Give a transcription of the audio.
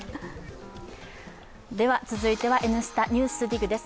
続いては「Ｎスタ・ＮＥＷＳＤＩＧ」です。